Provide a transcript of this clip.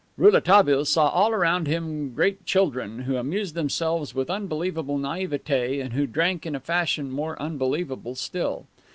Rouletabille saw all around him great children who amused themselves with unbelievable naivete and who drank in a fashion more unbelievable still.